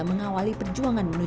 mengawali perjuangan mengejar